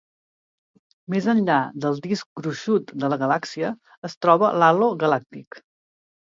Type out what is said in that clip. Més enllà del disc gruixut de la galàxia es troba l'halo galàctic.